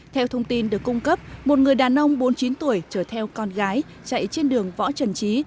theo thông tin được cung cấp một người đàn ông bốn mươi chín tuổi chở theo con gái chạy trên đường võ trần trí